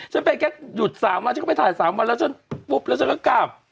ฉันไปแค่หยุด๓วันฉันก็ไปถ่าย๓วันแล้วฉันปุ๊บแล้วฉันก็กลับ